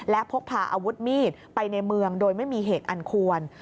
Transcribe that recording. และพกพาอาวุธมีดไปในเมืองโดยไม่มีเหตุอันควร